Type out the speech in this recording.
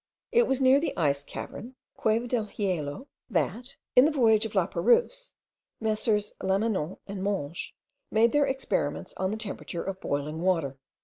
It was near the Ice Cavern (Cueva del Hielo), that, in the voyage of Laperouse, Messrs. Lamanon and Monges made their experiments on the temperature of boiling water.